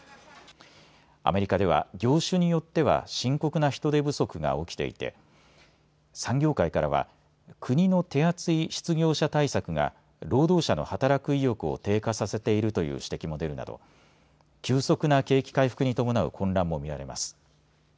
アメリカでは、業種によっては深刻な人手不足が起きていて産業界からは国の手厚い失業者対策が労働者の働く意欲を低下させているという指摘も出るなど急速な景気回復に伴う混乱も見られます。